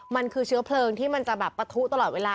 มันคือเชื้อเพลิงที่มันจะแบบปะทุตลอดเวลา